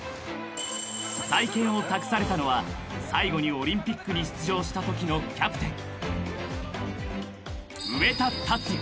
［再建を託されたのは最後にオリンピックに出場したときのキャプテン］